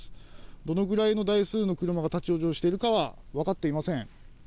どのくらいの台数が立往生しているか分かっていません。